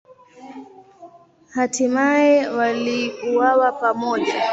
Hatimaye waliuawa pamoja.